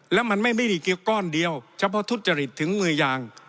แล้วมันไม่ได้เกี่ยวก้อนเดียวเฉพาะทุจริตถึงมือยาง